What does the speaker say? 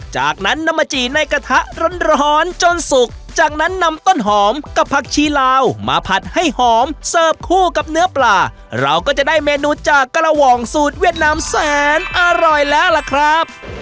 จากนั้นนำมาจี่ในกระทะร้อนจนสุกจากนั้นนำต้นหอมกับผักชีลาวมาผัดให้หอมเสิร์ฟคู่กับเนื้อปลาเราก็จะได้เมนูจากกระห่องสูตรเวียดนามแสนอร่อยแล้วล่ะครับ